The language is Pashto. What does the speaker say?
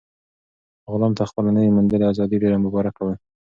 غلام ته خپله نوي موندلې ازادي ډېره مبارک وه.